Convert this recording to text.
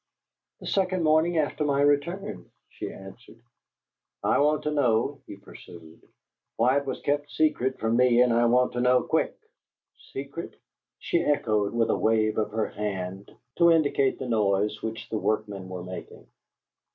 "The second morning after my return," she answered. "I want to know," he pursued, "why it was kept secret from me, and I want to know quick." "Secret?" she echoed, with a wave of her hand to indicate the noise which the workmen were making.